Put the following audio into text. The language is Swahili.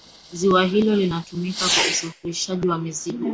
ziwa hilo linatumika kwa usafirishaji wa mizigo